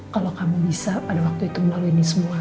kalau kamu bisa pada waktu itu melalui ini semua